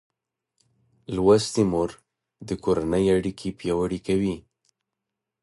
لوستې مور د کورنۍ اړیکې پیاوړې کوي.